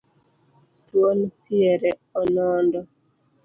Thuon piere onondo